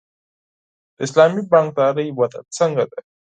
د اسلامي بانکدارۍ وده څنګه ده؟